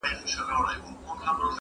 دا وزن دروند اُمي مُلا مات کړي,